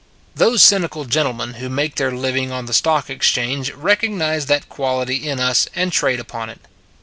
Those cynical gentlemen who make their living on the stock exchange recognize that quality in us and trade upon it.